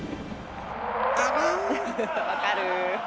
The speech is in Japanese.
分かる。